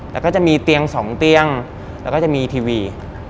แล้วก็จะมีเตียง๒เตียงแล้วก็จะมีทีวี